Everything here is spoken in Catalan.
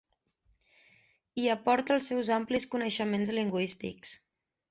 Hi aporta els seus amplis coneixements lingüístics.